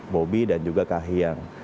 bobby dan juga kak hiang